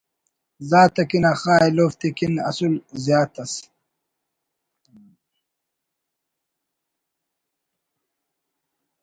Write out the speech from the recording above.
ذات اکن آخا ایلوفتے کن اسُل زیات ئس